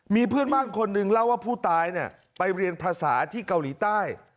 มีเพื่อนบ้านคนหนึ่งเล่าว่าผู้ตายไปเรียนภาษาที่เกาหลีใต้